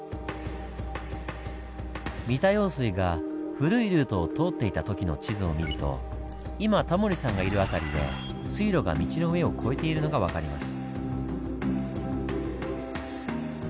三田用水が古いルートを通っていた時の地図を見ると今タモリさんがいる辺りで水路が道の上を越えているのが分かります。